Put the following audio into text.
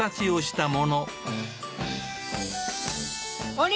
あれ？